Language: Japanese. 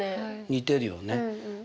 似てるよね？